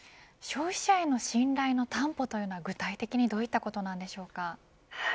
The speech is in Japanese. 消費者への信頼の担保というのは、具体的にどういったことなんでしょうか。